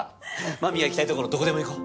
真美が行きたいところどこでも行こう！